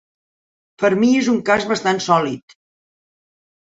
Per a mi, és un cas bastant sòlid.